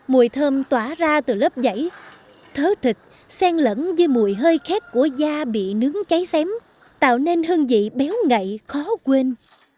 mùi thơm tỏa ra từ lớp dãy thớ thịt sen lẫn với mùi hơi khác của da bị nướng cháy xém tạo nên hương vị béo ngậy khó quên